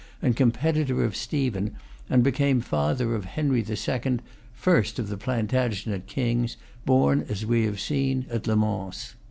and competitor of Stephen, and became father of Henry II., first of the Plantagenet kings, born, as we have seen, at Le Mans.